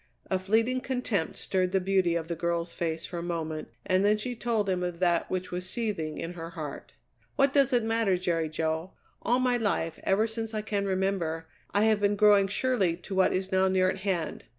A fleeting contempt stirred the beauty of the girl's face for a moment, and then she told him of that which was seething in her heart. "What does it matter, Jerry Jo? All my life, ever since I can remember, I have been growing surely to what is now near at hand.